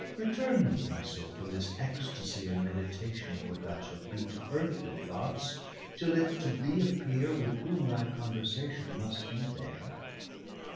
_] Returne not, my Soule, from this extasie, And meditation of what thou shalt bee, To earthly thoughts, till it to thee appeare, With whom thy conversation must be there.